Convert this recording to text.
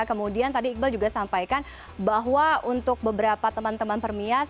kemudian tadi iqbal juga sampaikan bahwa untuk beberapa teman teman permias